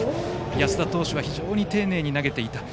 安田投手は非常に丁寧に投げていた。